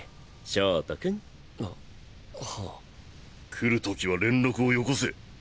来る時は連絡を寄越せ。